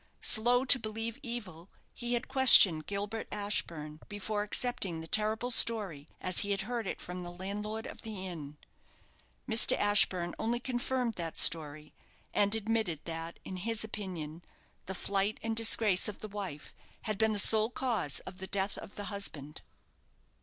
Slow to believe evil, he had questioned Gilbert Ashburne, before accepting the terrible story as he had heard it from the landlord of the inn. Mr. Ashburne only confirmed that story, and admitted that, in his opinion, the flight and disgrace of the wife had been the sole cause of the death of the husband.